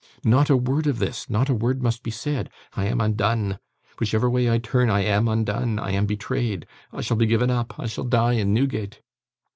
Not a word of this; not a word must be said. I am undone. Whichever way I turn, I am undone. I am betrayed. I shall be given up. I shall die in Newgate!